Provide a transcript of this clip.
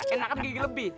enakan gigi lebih